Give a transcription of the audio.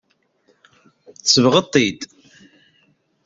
Tsebɣeḍ-t-id.